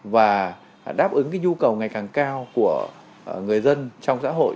và đáp ứng cái nhu cầu ngày càng cao của người dân trong xã hội